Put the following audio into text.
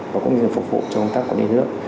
và cũng như là phục vụ cho công tác quản lý nước